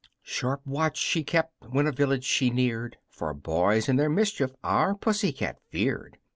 Sharp watch she kept when a village she neared, For boys and their mischief our Pussy cat feared.